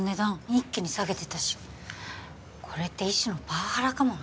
一気に下げてたしこれって一種のパワハラかもね